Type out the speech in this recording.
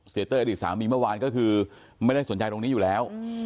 เต้ยอดีตสามีเมื่อวานก็คือไม่ได้สนใจตรงนี้อยู่แล้ว